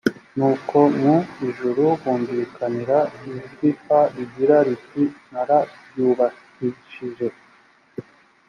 nuko mu ijuru humvikanira ijwi p rigira riti nararyubahishije